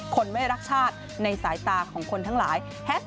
คนไม่รักชาติในสายตาของคนทั้งหลายแฮช